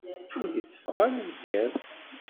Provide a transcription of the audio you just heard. Ur iteffeɣ ara deg yiḍ.